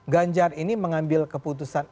ganjar ini mengambil keputusan